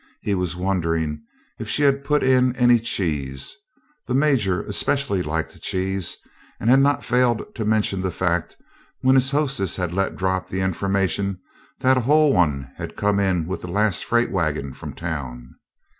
He was wondering if she had put in any cheese. The Major especially liked cheese and had not failed to mention the fact when his hostess had let drop the information that a whole one had come in with the last freight wagon from town.